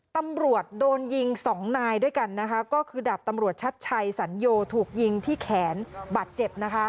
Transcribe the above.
ตำรวจโดนยิงสองนายด้วยกันนะคะก็คือดาบตำรวจชัดชัยสัญโยถูกยิงที่แขนบาดเจ็บนะคะ